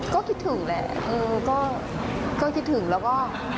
ก็คิดถึงแหละเออก็คิดถึงแล้วก็